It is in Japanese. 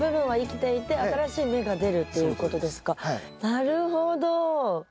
なるほど！